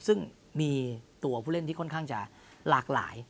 ซึ่งมีตัวผู้เล่นที่ค่อนข้างจะหลากหลาย